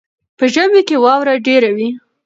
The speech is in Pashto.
په ژمي کې واوره ډېره وي.